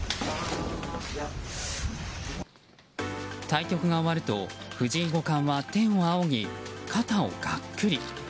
対局が終わると藤井五冠は天を仰ぎ肩をがっくり。